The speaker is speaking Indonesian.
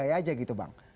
disgaih aja gitu bang